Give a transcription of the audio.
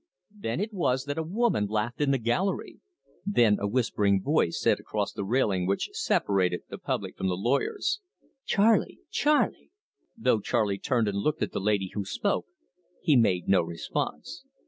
Then it was that a woman laughed in the gallery. Then a whispering voice said across the railing which separated the public from the lawyers: "Charley! Charley!" Though Charley turned and looked at the lady who spoke, he made no response.